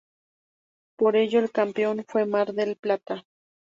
Por ello el campeón fue Mar del Plata.